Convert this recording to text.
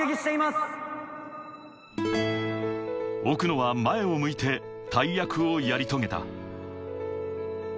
奥野は前を向いて大役をやり遂げた。